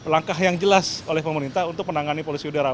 langkah yang jelas oleh pemerintah untuk menangani polusi udara